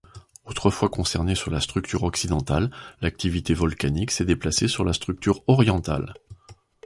Autrefois concentrée sur la structure occidentale, l'activité volcanique s'est déplacée sur la structure orientale.